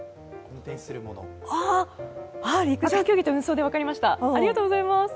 陸上競技と運送で分かりました。